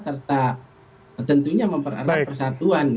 tertentunya memperarap persatuan